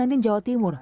di jawa timur